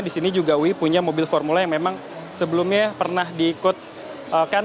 di sini juga wi punya mobil formula yang memang sebelumnya pernah diikutkan